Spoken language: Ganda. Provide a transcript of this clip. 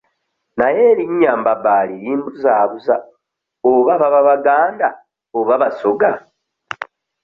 Naye erinnya Mbabaali limbuzaabuza oba baba Baganda oba Basoga?